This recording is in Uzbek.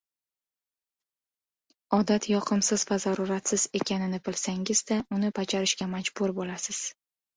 Odat yoqimsiz va zaruratsiz ekanini bilsangiz-da, uni bajarishga majbur bo‘lasiz.